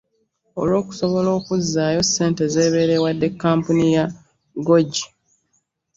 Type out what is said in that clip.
Olwo okusobola okuzzaayo ssente z'ebeera ewadde kkampuni ya Gouji